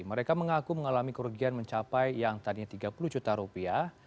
mereka mengaku mengalami kerugian mencapai yang tadinya tiga puluh juta rupiah